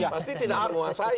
pasti tidak menguasai